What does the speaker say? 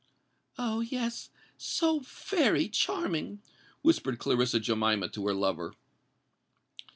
"Oh! yes—so very charming!" whispered Clarissa Jemima to her lover.